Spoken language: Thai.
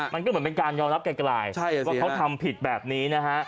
มันก็เหมือนเป็นการยอมรับไกลว่าเขาทำผิดแบบนี้นะฮะ